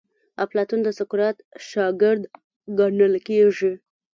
افلاطون د سقراط شاګرد ګڼل کیږي.